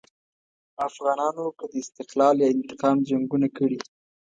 افغانانو که د استقلال یا انتقام جنګونه کړي.